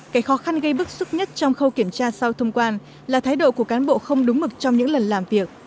cái khó khăn gây bức xúc nhất trong khâu kiểm tra sau thông quan là thái độ của cán bộ không đúng mực trong những lần làm việc